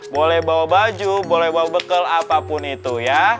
boleh bawa baju boleh bawa bekal apapun itu ya